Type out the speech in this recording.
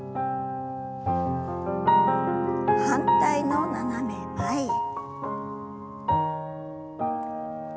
反対の斜め前へ。